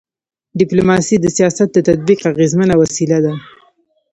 ډيپلوماسي د سیاست د تطبیق اغيزمنه وسیله ده.